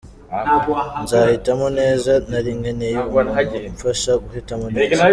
Nzahitamo neza, nari nkeneye umuntu umfasha guhitamo neza.